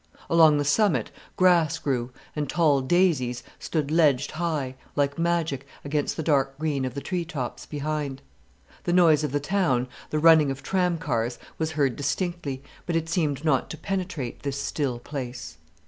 Along the summit grass grew and tall daisies stood ledged high, like magic, against the dark green of the tree tops behind. The noise of the town, the running of tram cars, was heard distinctly, but it seemed not to penetrate this still place.